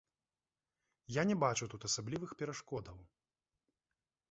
Я не бачу тут асаблівых перашкодаў.